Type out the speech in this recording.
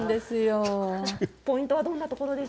ポイントはどんなところです